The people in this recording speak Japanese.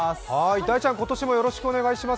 大ちゃん、今年もよろしくお願いします。